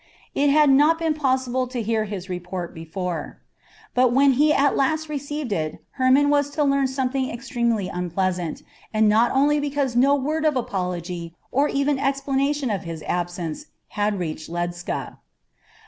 It had not been possible to hear his report before, but when he at last received it Hermon was to learn something extremely unpleasant, and not only because no word of apology or even explanation of his absence had reached Ledscha.